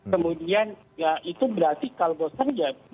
kemudian ya itu berarti kalau boster ya